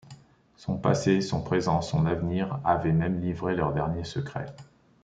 Son passé, son présent, son avenir, avaient même livré leurs derniers secrets.